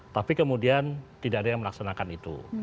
tapi kemudian tidak ada yang melaksanakan itu